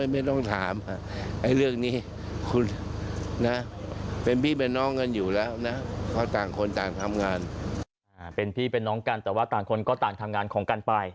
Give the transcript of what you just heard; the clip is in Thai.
เป็นพี่เป็นน้องกันแต่ว่าต่างคนก็ต่างทำงานของกันไป